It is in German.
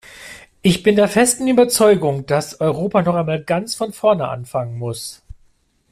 Ich bin der festen Überzeugung, dass Europa noch einmal ganz von vorne anfangen muss.